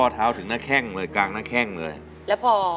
ช่วงนี้ครับ